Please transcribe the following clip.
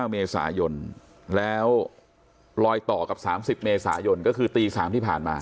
เมษายนแล้วลอยต่อกับ๓๐เมษายนก็คือตี๓ที่ผ่านมา